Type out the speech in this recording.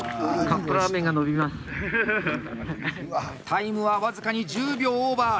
タイムは僅かに１０秒オーバー。